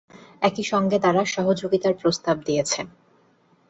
একই সঙ্গে তারা সহযোগিতার প্রস্তাব দিয়েছে।